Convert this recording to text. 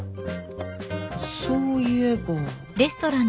そういえば。